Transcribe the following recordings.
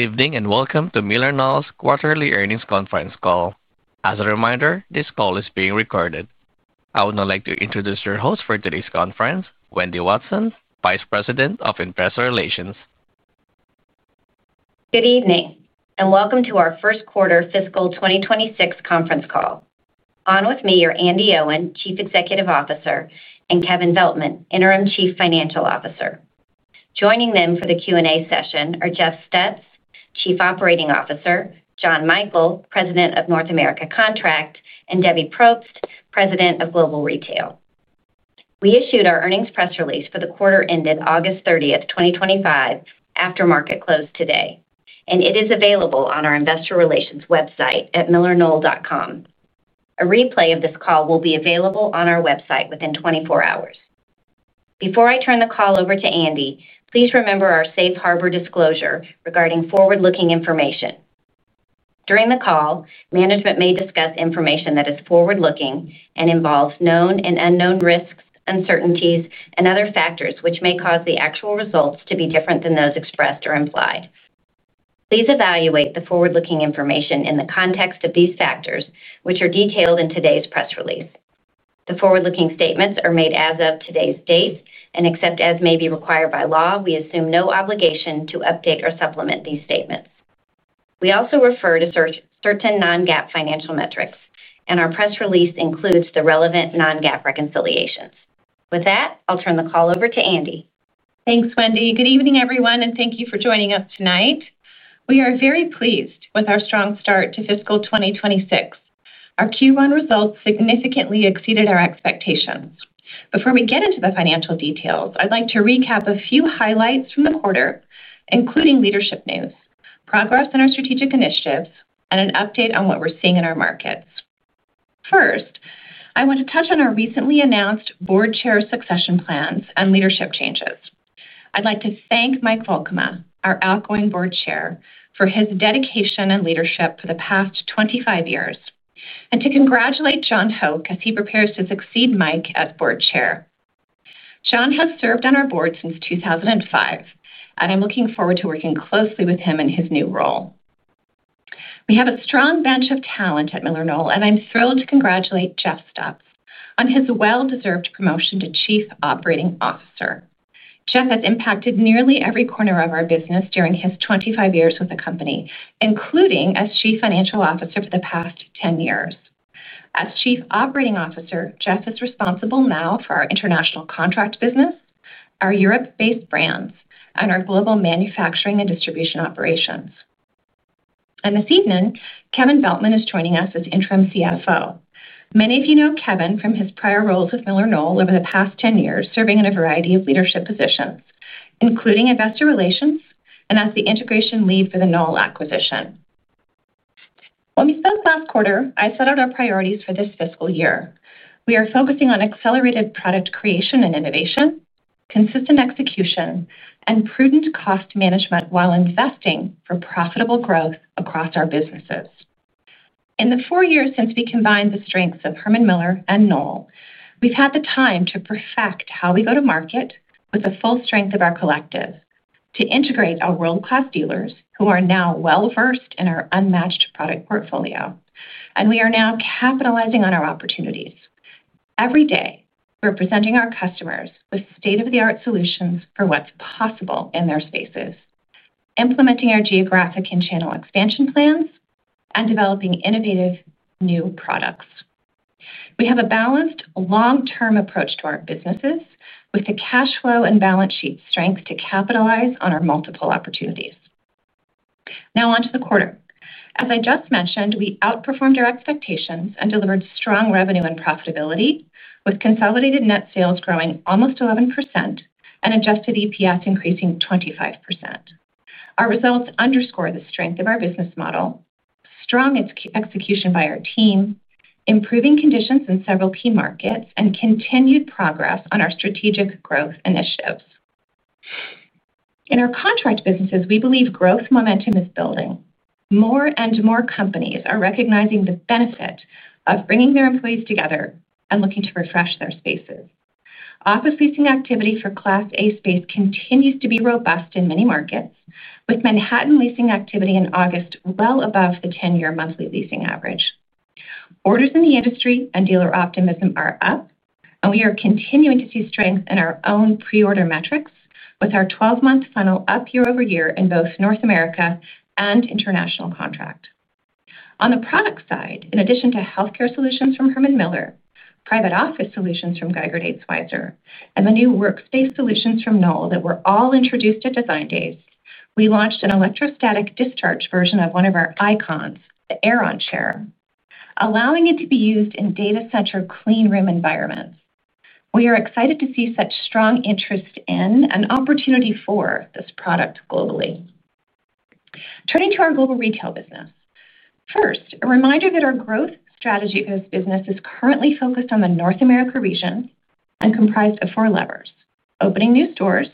Evening and welcome to MillerKnoll's Quarterly Earnings Conference Call. As a reminder, this call is being recorded. I would now like to introduce your host for today's conference, Wendy Watson, Vice President of Investor Relations. Good evening and welcome to our First Quarter Fiscal 2026 Conference Call. On with me are Andi Owen, Chief Executive Officer, and Kevin Veltman, Interim Chief Financial Officer. Joining them for the Q&A session are Jeff Stutz, Chief Operating Officer, John Michael, President of North America Contract, and Debbie Propst, President of Global Retail. We issued our earnings press release for the quarter ended August 30th, 2025, after market close today, and it is available on our Investor Relations website at MillerKnoll.com. A replay of this call will be available on our website within 24 hours. Before I turn the call over to Andi, please remember our safe harbor disclosure regarding forward-looking information. During the call, management may discuss information that is forward-looking and involves known and unknown risks, uncertainties, and other factors which may cause the actual results to be different than those expressed or implied. Please evaluate the forward-looking information in the context of these factors, which are detailed in today's press release. The forward-looking statements are made as of today's date, and except as may be required by law, we assume no obligation to update or supplement these statements. We also refer to certain non-GAAP financial metrics, and our press release includes the relevant non-GAAP reconciliations. With that, I'll turn the call over to Andi. Thanks, Wendy. Good evening, everyone, and thank you for joining us tonight. We are very pleased with our strong start to fiscal 2026. Our Q1 results significantly exceeded our expectations. Before we get into the financial details, I'd like to recap a few highlights from the quarter, including leadership news, progress on our strategic initiatives, and an update on what we're seeing in our markets. First, I want to touch on our recently announced Board Chair succession plans and leadership changes. I'd like to thank Mike Volkema, our outgoing Board Chair, for his dedication and leadership for the past 25 years, and to congratulate John Hoke as he prepares to succeed Mike as Board Chair. John has served on our Board since 2005, and I'm looking forward to working closely with him in his new role. We have a strong bench of talent at MillerKnoll, and I'm thrilled to congratulate Jeff Stutz on his well-deserved promotion to Chief Operating Officer. Jeff has impacted nearly every corner of our business during his 25 years with the company, including as Chief Financial Officer for the past 10 years. As Chief Operating Officer, Jeff is responsible now for our international contract business, our Europe-based brands, and our global manufacturing and distribution operations. This evening, Kevin Veltman is joining us as Interim CFO. Many of you know Kevin from his prior roles with MillerKnoll over the past 10 years, serving in a variety of leadership positions, including Investor Relations and as the Integration Lead for the Knoll acquisition. When we spoke last quarter, I set out our priorities for this fiscal year. We are focusing on accelerated product creation and innovation, consistent execution, and prudent cost management while investing for profitable growth across our businesses. In the four years since we combined the strengths of Herman Miller and Knoll, we've had the time to perfect how we go to market with the full strength of our collective, to integrate our world-class dealers who are now well-versed in our unmatched product portfolio, and we are now capitalizing on our opportunities. Every day, we're presenting our customers with state-of-the-art solutions for what's possible in their spaces, implementing our geographic and channel expansion plans, and developing innovative new products. We have a balanced, long-term approach to our businesses, with the cash flow and balance sheet strength to capitalize on our multiple opportunities. Now on to the quarter. As I just mentioned, we outperformed our expectations and delivered strong revenue and profitability, with consolidated net sales growing almost 11% and adjusted EPS increasing 25%. Our results underscore the strength of our business model, strong execution by our team, improving conditions in several key markets, and continued progress on our strategic growth initiatives. In our contract businesses, we believe growth momentum is building. More and more companies are recognizing the benefit of bringing their employees together and looking to refresh their spaces. Office leasing activity for Class A space continues to be robust in many markets, with Manhattan leasing activity in August well above the 10-year monthly leasing average. Orders in the industry and dealer optimism are up, and we are continuing to see strength in our own pre-order metrics, with our 12-month funnel up year-over-year in both North America and international contract. On the product side, in addition to healthcare solutions from Herman Miller, private office solutions from Geiger DatesWeiser, and the new workspace solutions from Knoll that were all introduced at Design Days, we launched an electrostatic discharge version of one of our icons, the Aeron Chair, allowing it to be used in data center clean room environments. We are excited to see such strong interest in and opportunity for this product globally. Turning to our global retail business. First, a reminder that our growth strategy in this business is currently focused on the North America region and comprised of four levers: opening new stores,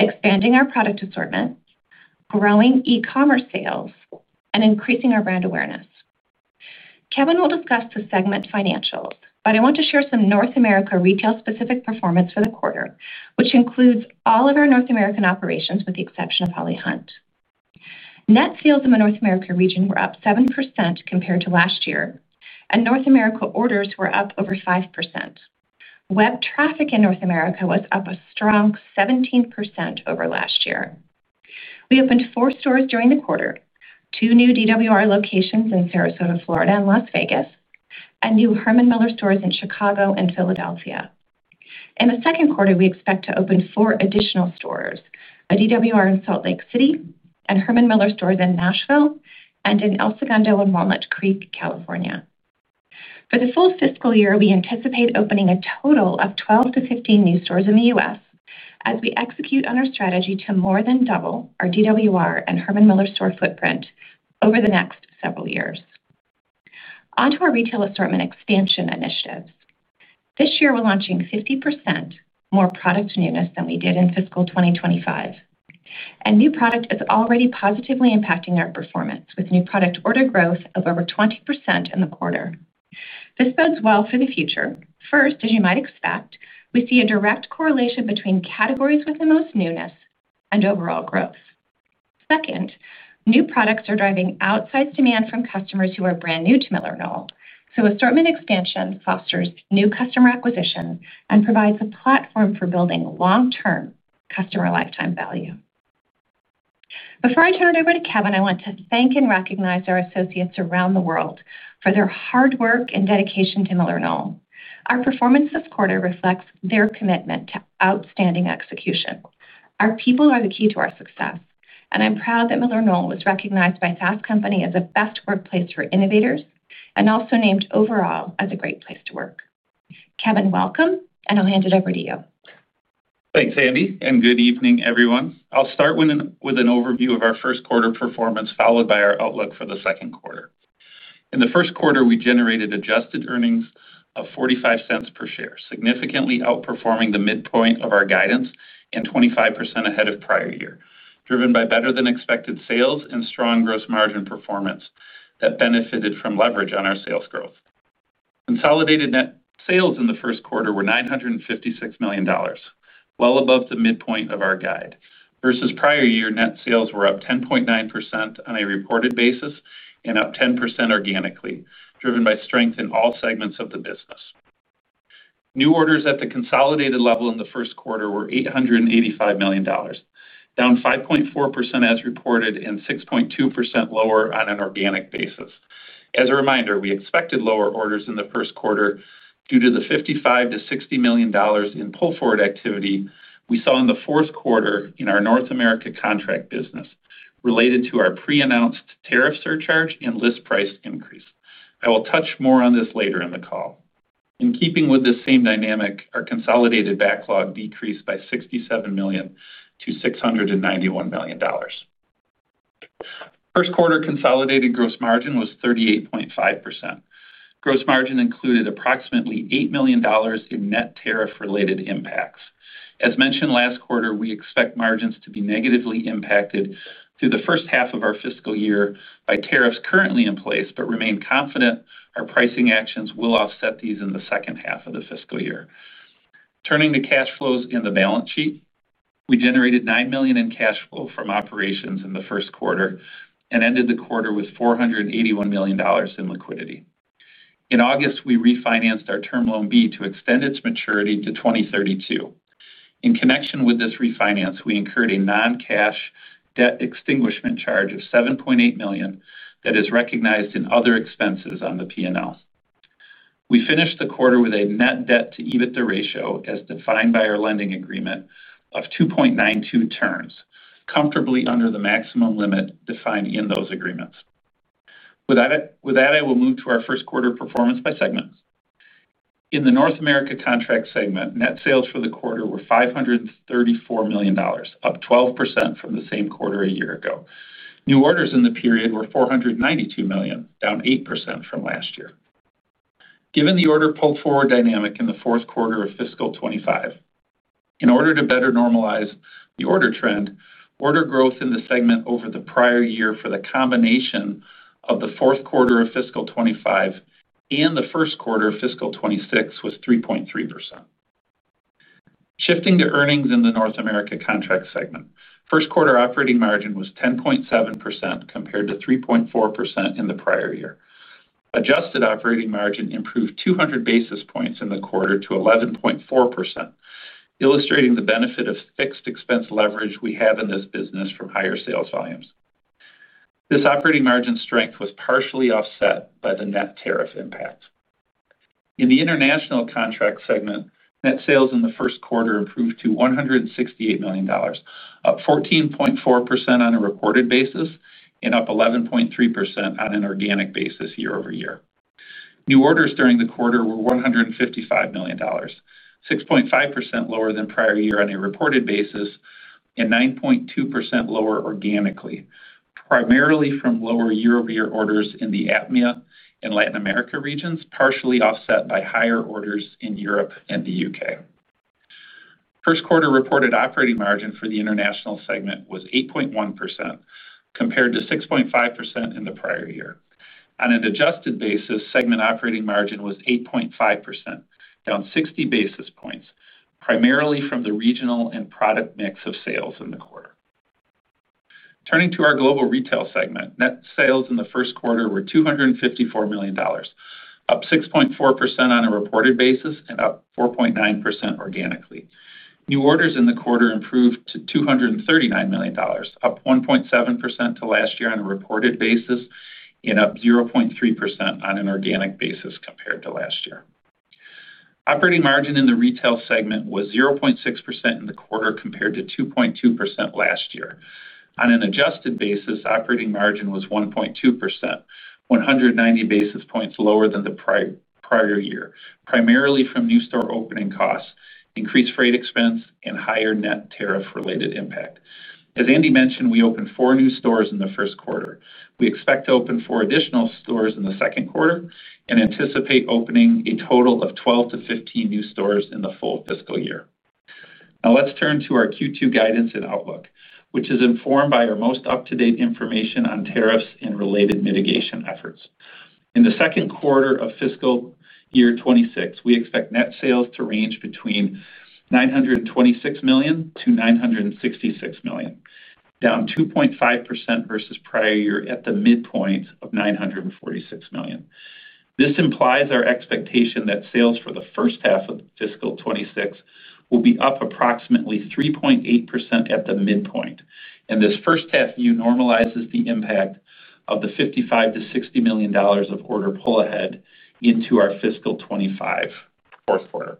expanding our product assortment, growing e-commerce sales, and increasing our brand awareness. Kevin will discuss the segment financials, but I want to share some North America retail-specific performance for the quarter, which includes all of our North American operations, with the exception of HOLLY HUNT. Net sales in the North America region were up 7% compared to last year, and North America orders were up over 5%. Web traffic in North America was up a strong 17% over last year. We opened four stores during the quarter: two new DWR locations in Sarasota, Florida, and Las Vegas, and new Herman Miller stores in Chicago and Philadelphia. In the second quarter, we expect to open four additional stores: a DWR in Salt Lake City, and Herman Miller stores in Nashville, and in El Segundo and Walnut Creek, California. For the full fiscal year, we anticipate opening a total of 12-15 new stores in the U.S. as we execute on our strategy to more than double our DWR and Herman Miller store footprint over the next several years. Onto our retail assortment expansion initiatives. This year, we're launching 50% more product units than we did in fiscal 2025. New product is already positively impacting our performance, with new product order growth of over 20% in the quarter. This bodes well for the future. First, as you might expect, we see a direct correlation between categories with the most newness and overall growth. Second, new products are driving outsized demand from customers who are brand new to MillerKnoll, so assortment expansion fosters new customer acquisition and provides a platform for building long-term customer lifetime value. Before I turn it over to Kevin, I want to thank and recognize our associates around the world for their hard work and dedication to MillerKnoll. Our performance this quarter reflects their commitment to outstanding execution. Our people are the key to our success, and I'm proud that MillerKnoll was recognized by Fast Company as the best workplace for innovators and also named overall as a great place to work. Kevin, welcome, and I'll hand it over to you. Thanks, Andi, and good evening, everyone. I'll start with an overview of our first quarter performance, followed by our outlook for the second quarter. In the first quarter, we generated adjusted earnings of $0.45 per share, significantly outperforming the midpoint of our guidance and 25% ahead of prior year, driven by better-than-expected sales and strong gross margin performance that benefited from leverage on our sales growth. Consolidated net sales in the first quarter were $956 million, well above the midpoint of our guide. Versus prior year, net sales were up 10.9% on a reported basis and up 10% organically, driven by strength in all segments of the business. New orders at the consolidated level in the first quarter were $885 million, down 5.4% as reported and 6.2% lower on an organic basis. As a reminder, we expected lower orders in the first quarter due to the $55 million-$60 million in pull-forward activity we saw in the fourth quarter in our North America contract business related to our pre-announced tariff surcharge and list price increase. I will touch more on this later in the call. In keeping with the same dynamic, our consolidated backlog decreased by $67 million to $691 million. First quarter consolidated gross margin was 38.5%. Gross margin included approximately $8 million in net tariff-related impacts. As mentioned last quarter, we expect margins to be negatively impacted through the first half of our fiscal year by tariffs currently in place, but remain confident our pricing actions will offset these in the second half of the fiscal year. Turning to cash flows in the balance sheet, we generated $9 million in cash flow from operations in the first quarter and ended the quarter with $481 million in liquidity. In August, we refinanced our Term Loan B to extend its maturity to 2032. In connection with this refinance, we incurred a non-cash debt extinguishment charge of $7.8 million that is recognized in other expenses on the P&L. We finished the quarter with a net debt to EBITDA ratio as defined by our lending agreement of 2.92 turns, comfortably under the maximum limit defined in those agreements. With that, I will move to our first quarter performance by segments. In the North America Contract segment, net sales for the quarter were $534 million, up 12% from the same quarter a year ago. New orders in the period were $492 million, down 8% from last year. Given the order pull-forward dynamic in the fourth quarter of fiscal 2025, in order to better normalize the order trend, order growth in the segment over the prior year for the combination of the fourth quarter of fiscal 2025 and the first quarter of fiscal 2026 was 3.3%. Shifting to earnings in the North America contract segment, first quarter operating margin was 10.7% compared to 3.4% in the prior year. Adjusted operating margin improved 200 basis points in the quarter to 11.4%, illustrating the benefit of fixed expense leverage we have in this business from higher sales volumes. This operating margin strength was partially offset by the net tariff impact. In the international contract segment, net sales in the first quarter improved to $168 million, up 14.4% on a reported basis and up 11.3% on an organic basis year-over-year. New orders during the quarter were $155 million, 6.5% lower than prior year on a reported basis and 9.2% lower organically, primarily from lower year-over-year orders in the AP-MEA and Latin America regions, partially offset by higher orders in Europe and the U.K. First quarter reported operating margin for the international segment was 8.1% compared to 6.5% in the prior year. On an adjusted basis, segment operating margin was 8.5%, down 60 basis points, primarily from the regional and product mix of sales in the quarter. Turning to our global retail segment, net sales in the first quarter were $254 million, up 6.4% on a reported basis and up 4.9% organically. New orders in the quarter improved to $239 million, up 1.7% to last year on a reported basis and up 0.3% on an organic basis compared to last year. Operating margin in the retail segment was 0.6% in the quarter compared to 2.2% last year. On an adjusted basis, operating margin was 1.2%, 190 basis points lower than the prior year, primarily from new store opening costs, increased freight expense, and higher net tariff-related impact. As Andi mentioned, we opened four new stores in the first quarter. We expect to open four additional stores in the second quarter and anticipate opening a total of 12-15 new stores in the full fiscal year. Now let's turn to our Q2 guidance and outlook, which is informed by our most up-to-date information on tariffs and related mitigation efforts. In the second quarter of fiscal year 2026, we expect net sales to range between $926 million-$966 million, down 2.5% versus prior year at the midpoint of $946 million. This implies our expectation that sales for the first half of fiscal 2026 will be up approximately 3.8% at the midpoint, and this first half view normalizes the impact of the $55 million-$60 million of order pull-ahead into our fiscal 2025 fourth quarter.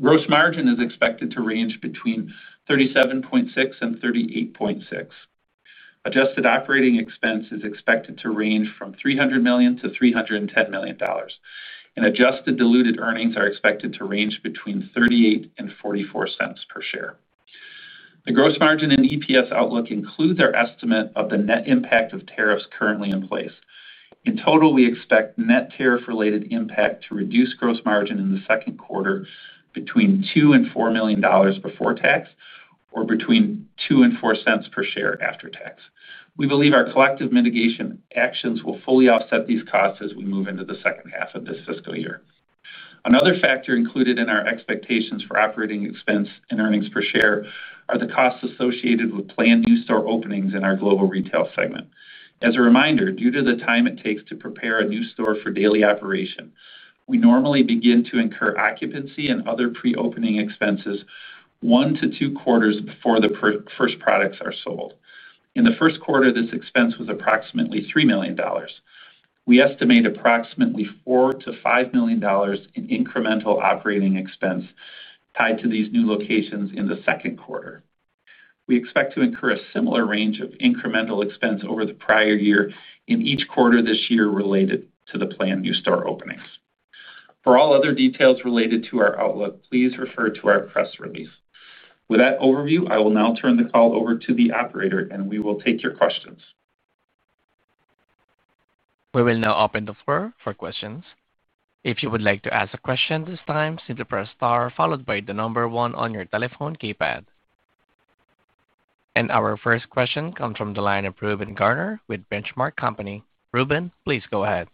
Gross margin is expected to range between 37.6% and 38.6%. Adjusted operating expense is expected to range from $300 million-$310 million, and adjusted diluted earnings are expected to range between $0.38 and $0.44 per share. The gross margin and EPS outlook include our estimate of the net impact of tariffs currently in place. In total, we expect net tariff-related impact to reduce gross margin in the second quarter between $2 million and $4 million before tax or between $0.02 and $0.04 per share after tax. We believe our collective mitigation actions will fully offset these costs as we move into the second half of this fiscal year. Another factor included in our expectations for operating expense and earnings per share are the costs associated with planned new store openings in our global retail segment. As a reminder, due to the time it takes to prepare a new store for daily operation, we normally begin to incur occupancy and other pre-opening expenses one to two quarters before the first products are sold. In the first quarter, this expense was approximately $3 million. We estimate approximately $4 million-$5 million in incremental operating expense tied to these new locations in the second quarter. We expect to incur a similar range of incremental expense over the prior year in each quarter this year related to the planned new store openings. For all other details related to our outlook, please refer to our press release. With that overview, I will now turn the call over to the operator, and we will take your questions. We will now open the floor for questions. If you would like to ask a question at this time, simply press star followed by the number one on your telephone keypad. Our first question comes from the line of Reuben Garner with Benchmark Company. Reuben, please go ahead.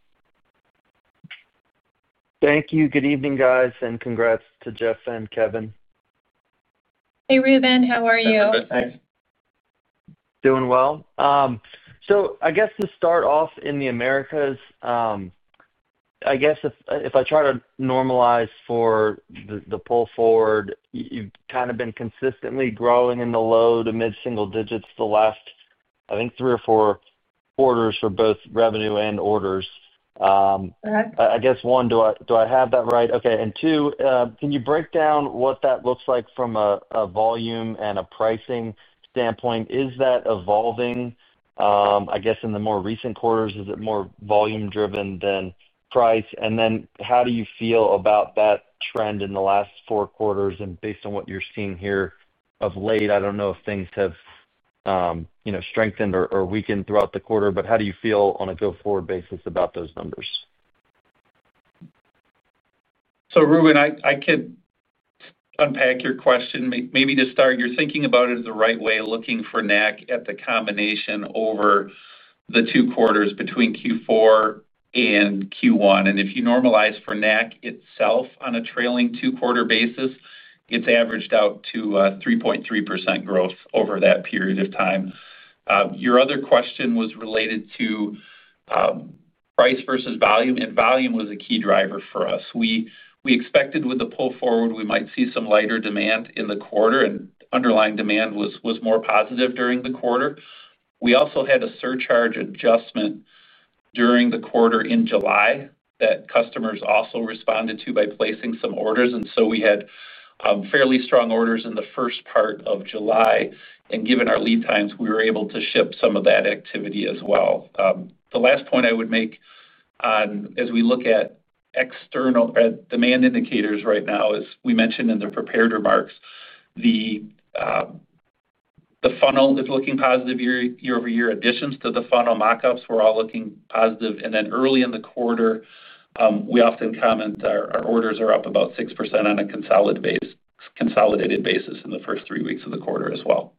Thank you. Good evening, guys, and congrats to Jeff and Kevin. Hey, Reuben. How are you? [Hey, Reuben], thanks. Doing well. To start off in the Americas, if I try to normalize for the pull-forward, you've kind of been consistently growing in the low to mid-single digits for, I think, three or four quarters for both revenue and orders. I guess, one, do I have that right? Okay. Two, can you break down what that looks like from a volume and a pricing standpoint? Is that evolving in the more recent quarters? Is it more volume-driven than price? How do you feel about that trend in the last four quarters? Based on what you're seeing here of late, I don't know if things have strengthened or weakened throughout the quarter, but how do you feel on a go-forward basis about those numbers? Reuben, I can unpack your question. Maybe to start, you're thinking about it the right way, looking for NAC at the combination over the two quarters between Q4 and Q1. If you normalize for NAC itself on a trailing two-quarter basis, it's averaged out to 3.3% growth over that period of time. Your other question was related to price versus volume, and volume was a key driver for us. We expected with the pull-forward we might see some lighter demand in the quarter, and underlying demand was more positive during the quarter. We also had a surcharge adjustment during the quarter in July that customers also responded to by placing some orders. We had fairly strong orders in the first part of July. Given our lead times, we were able to ship some of that activity as well. The last point I would make on as we look at external demand indicators right now is we mentioned in the prepared remarks the funnel is looking positive year-over-year. Additions to the funnel mockups were all looking positive. Early in the quarter, we often comment our orders are up about 6% on a consolidated basis in the first three weeks of the quarter as well.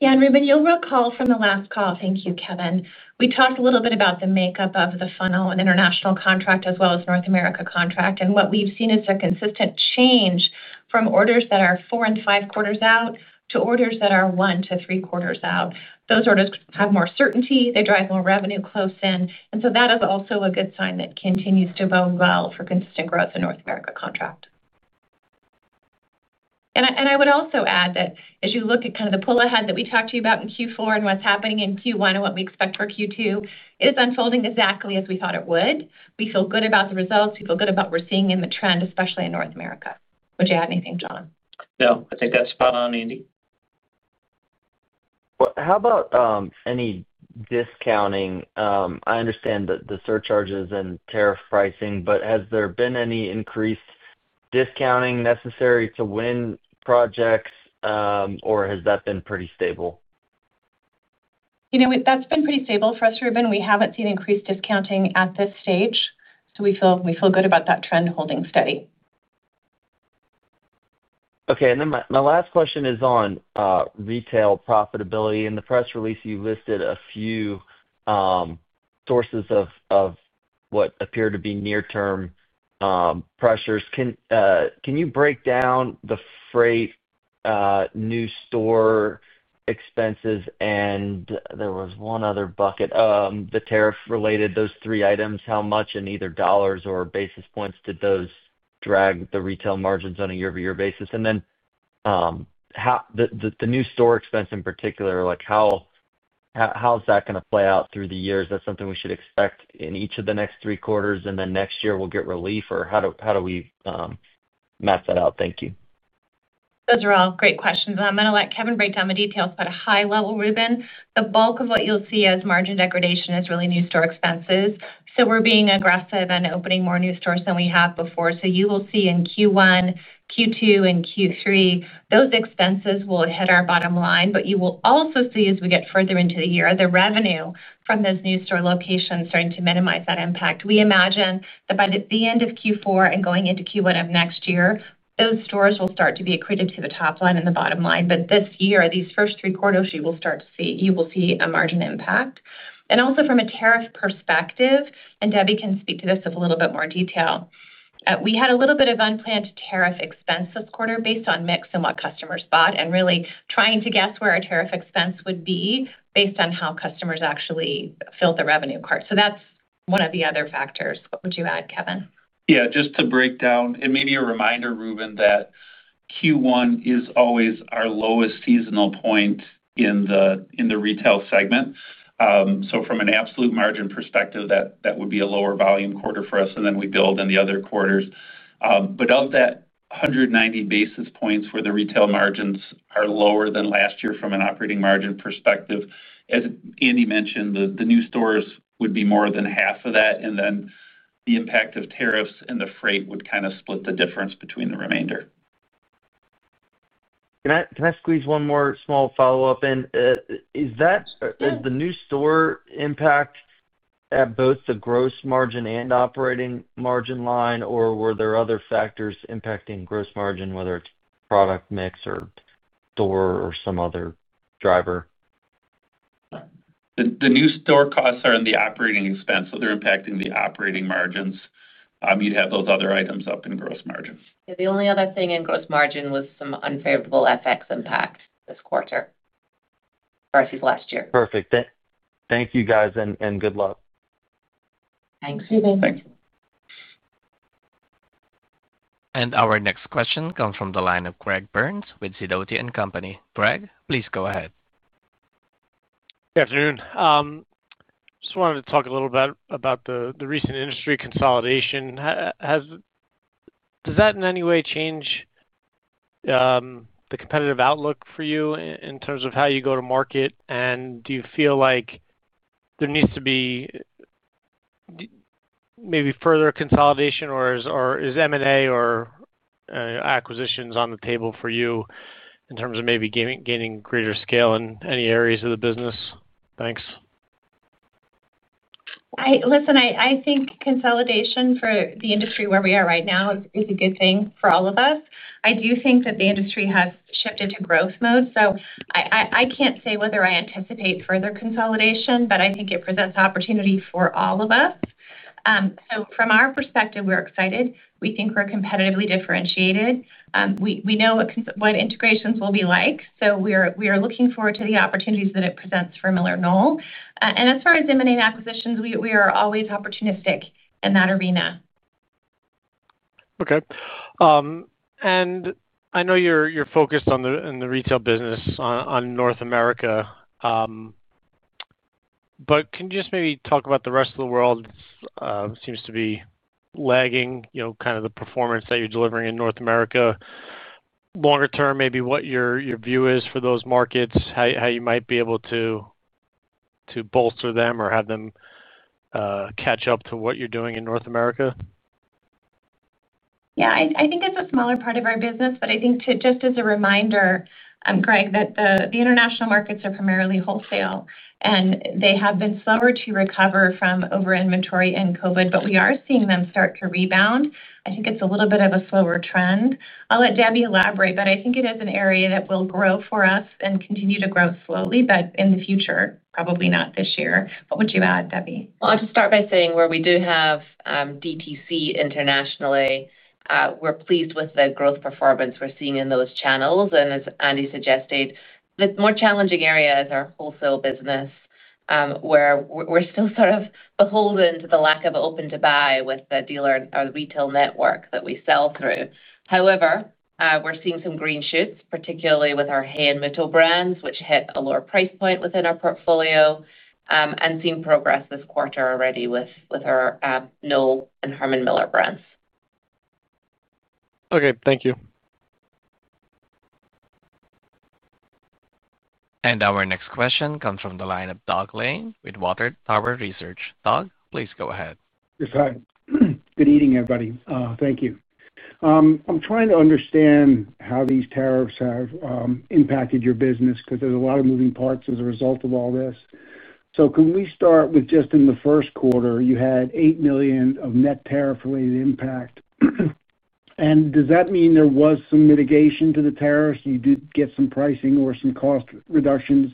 Yeah. Reuben, you'll recall from the last call, thank you, Kevin, we talked a little bit about the makeup of the funnel and international contract as well as North America Contract. What we've seen is a consistent change from orders that are four and five quarters out to orders that are one to three quarters out. Those orders have more certainty. They drive more revenue close in. That is also a good sign that it continues to bode well for consistent growth in North America contract. I would also add that as you look at kind of the pull-forward activity that we talked to you about in Q4 and what's happening in Q1 and what we expect for Q2, it is unfolding exactly as we thought it would. We feel good about the results. We feel good about what we're seeing in the trend, especially in North America. Would you add anything, John? No, I think that's spot on, Andi. How about any discounting? I understand the surcharges and tariff pricing, but has there been any increased discounting necessary to win projects, or has that been pretty stable? That's been pretty stable for us, Reuben. We haven't seen increased discounting at this stage. We feel good about that trend holding steady. Okay. My last question is on retail profitability. In the press release, you listed a few sources of what appear to be near-term pressures. Can you break down the freight, new store expenses, and there was one other bucket, the tariff-related, those three items, how much in either dollars or basis points did those drag the retail margins on a year-over-year basis? The new store expense in particular, how is that going to play out through the years? Is that something we should expect in each of the next three quarters, and then next year we'll get relief, or how do we map that out? Thank you. Those are all great questions. I'm going to let Kevin break down the details at a high level, Reuben. The bulk of what you'll see as margin degradation is really new store expenses. We are being aggressive and opening more new stores than we have before. You will see in Q1, Q2, and Q3, those expenses will hit our bottom line. You will also see, as we get further into the year, the revenue from those new store locations starting to minimize that impact. We imagine that by the end of Q4 and going into Q1 of next year, those stores will start to be accretive to the top line and the bottom line. This year, these first three quarters, you will see a margin impact. Also, from a tariff perspective, and Debbie can speak to this with a little bit more detail, we had a little bit of unplanned tariff expense this quarter based on mix and what customers bought and really trying to guess where a tariff expense would be based on how customers actually filled the revenue cart. That's one of the other factors. Would you add, Kevin? Yeah. Just to break down, and maybe a reminder, Reuben, that Q1 is always our lowest seasonal point in the retail segment. From an absolute margin perspective, that would be a lower volume quarter for us, and then we build in the other quarters. Of that, 190 basis points where the retail margins are lower than last year from an operating margin perspective, as Andi mentioned, the new stores would be more than half of that. The impact of tariffs and the freight would kind of split the difference between the remainder. Can I squeeze one more small follow-up in? Is the new store impact at both the gross margin and operating margin line, or were there other factors impacting gross margin, whether it's product mix or store or some other driver? The new store costs are in the operating expense, so they're impacting the operating margins. You'd have those other items up in gross margins. Yeah, the only other thing in gross margin was some unfavorable FX impact this quarter versus last year. Perfect. Thank you, guys, and good luck. Thanks, Reuben. Our next question comes from the line of Greg Burns with Sidoti & Company. Greg, please go ahead. Good afternoon. I just wanted to talk a little bit about the recent industry consolidation. Does that in any way change the competitive outlook for you in terms of how you go to market? Do you feel like there needs to be maybe further consolidation, or is M&A or acquisitions on the table for you in terms of maybe gaining greater scale in any areas of the business? Thanks. I think consolidation for the industry where we are right now is a good thing for all of us. I do think that the industry has shifted to growth mode. I can't say whether I anticipate further consolidation, but I think it presents opportunity for all of us. From our perspective, we're excited. We think we're competitively differentiated. We know what integrations will be like. We are looking forward to the opportunities that it presents for MillerKnoll. As far as M&A and acquisitions, we are always opportunistic in that arena. Okay. I know you're focused on the retail business in North America, but can you just maybe talk about the rest of the world? It seems to be lagging, you know, kind of the performance that you're delivering in North America. Longer term, maybe what your view is for those markets, how you might be able to bolster them or have them catch up to what you're doing in North America? Yeah, I think it's a smaller part of our business, but I think just as a reminder, Greg, that the international markets are primarily wholesale, and they have been slower to recover from over-inventory and COVID, but we are seeing them start to rebound. I think it's a little bit of a slower trend. I'll let Debbie elaborate, but I think it is an area that will grow for us and continue to grow slowly, but in the future, probably not this year. What would you add, Debbie? I'll just start by saying where we do have DTC internationally, we're pleased with the growth performance we're seeing in those channels. As Andi suggested, the more challenging area is our wholesale business, where we're still sort of beholden to the lack of open to buy with the dealer and our retail network that we sell through. However, we're seeing some green shoots, particularly with our HAY and Muuto brands, which hit a lower price point within our portfolio, and seeing progress this quarter already with our Knoll and Herman Miller brands. Okay, thank you. Our next question comes from the line of Doug Lane with Water Tower Research. Doug, please go ahead. Yes, hi. Good evening, everybody. Thank you. I'm trying to understand how these tariffs have impacted your business because there's a lot of moving parts as a result of all this. Can we start with just in the first quarter, you had $8 million of net tariff-related impact? Does that mean there was some mitigation to the tariffs? You did get some pricing or some cost reductions,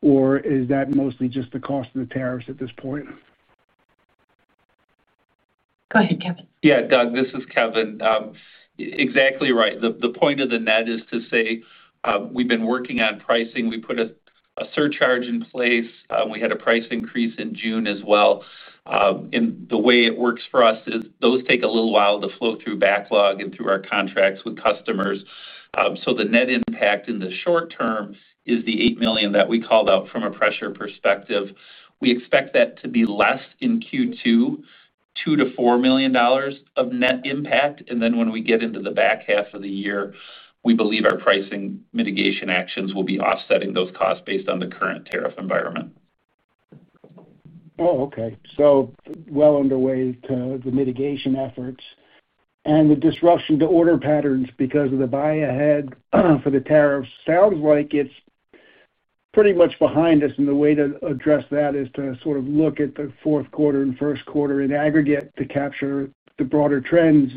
or is that mostly just the cost of the tariffs at this point? Go ahead, Kevin. Yeah, Doug, this is Kevin. Exactly right. The point of the net is to say we've been working on pricing. We put a surcharge in place. We had a price increase in June as well. The way it works for us is those take a little while to flow through backlog and through our contracts with customers. The net impact in the short term is the $8 million that we called out from a pressure perspective. We expect that to be less in Q2, $2 million-$4 million of net impact. When we get into the back half of the year, we believe our pricing mitigation actions will be offsetting those costs based on the current tariff environment. Okay. Well underway to the mitigation efforts. The disruption to order patterns because of the buy ahead for the tariffs sounds like it's pretty much behind us. The way to address that is to sort of look at the fourth quarter and first quarter in aggregate to capture the broader trends.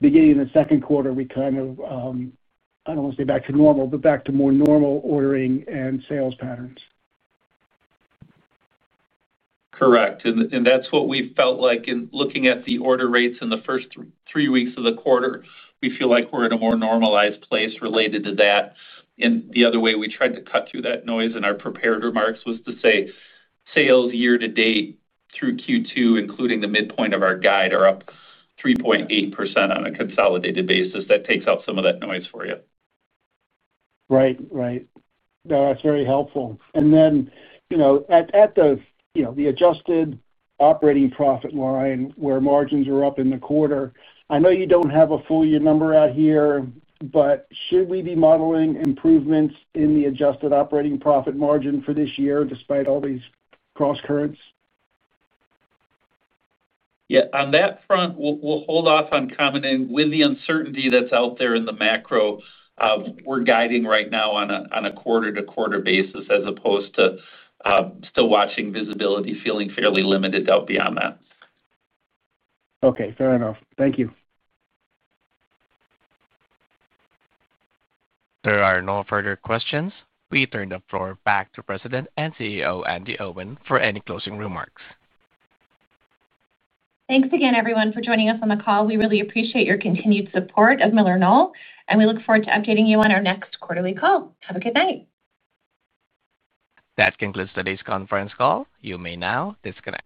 Beginning in the second quarter, we kind of, I don't want to say back to normal, but back to more normal ordering and sales patterns. Correct. That is what we felt like in looking at the order rates in the first three weeks of the quarter. We feel like we're in a more normalized place related to that. The other way we tried to cut through that noise in our prepared remarks was to say sales year to date through Q2, including the midpoint of our guide, are up 3.8% on a consolidated basis. That takes out some of that noise for you. Right. No, that's very helpful. At the adjusted operating profit line where margins are up in the quarter, I know you don't have a full-year number out here, but should we be modeling improvements in the adjusted operating profit margin for this year despite all these cross-currents? On that front, we'll hold off on commenting. With the uncertainty that's out there in the macro, we're guiding right now on a quarter-to-quarter basis as opposed to still watching visibility feeling fairly limited out beyond that. Okay. Fair enough. Thank you. There are no further questions. We turn the floor back to President and CEO Andi Owen for any closing remarks. Thanks again, everyone, for joining us on the call. We really appreciate your continued support of MillerKnoll, and we look forward to updating you on our next quarterly call. Have a good night. That concludes today's conference call. You may now disconnect.